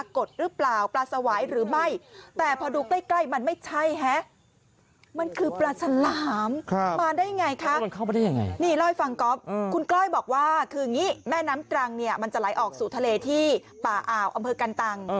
คุณกล้อยบอกว่าแม่น้ำกลางจะไหลออกสู่ทะเลที่ป่าอาวอำเภอกันตัง